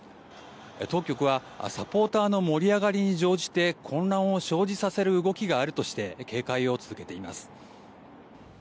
当局はサポーターの盛り上がりに乗じて混乱を生じさせる動きがあるとして警戒を続けています。